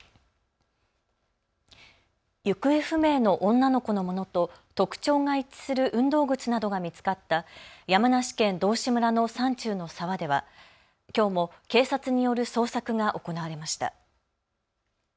行方不明の女の子のものと特徴が一致する運動靴などが見つかった山梨県道志村の山中の沢ではきょうも警察による捜索が行われました。